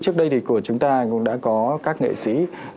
trước đây thì của chúng ta cũng đã có các nghệ sĩ